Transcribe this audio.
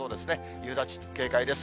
夕立、警戒です。